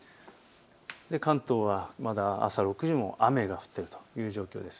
関東はまだ朝６時も雨が降っているという状況です。